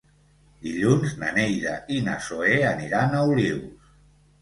Dilluns na Neida i na Zoè aniran a Olius.